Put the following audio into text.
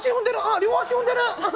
両足踏んでる！